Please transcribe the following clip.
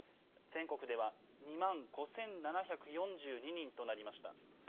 全国では２万５７４２人となりました。